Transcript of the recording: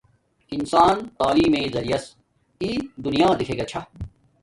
انسان تعلیم میݵ زریعس ای دنیا دکھے گاچھا